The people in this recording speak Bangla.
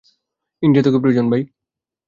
ইন্ডিয়ার তোকে প্রয়োজন, ভাই।